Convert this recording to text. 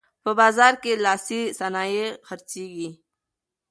په بازار کې لاسي صنایع خرڅیږي.